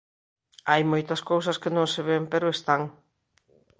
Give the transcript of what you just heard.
Hai moitas cousas que non se ven pero están.